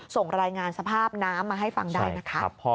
ส่งรายงานสภาพน้ำมาให้ฟังได้นะคะ